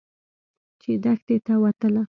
چې دښتې ته وتله.